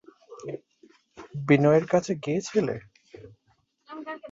বিনয়ের কাছে গিয়েছিলে?